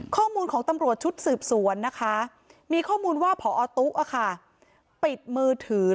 ข้อมูลของตำรวจชุดสืบสวนนะคะมีข้อมูลว่าพอตุ๊ปิดมือถือ